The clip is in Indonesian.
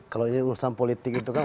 kalau ini urusan politik itu kan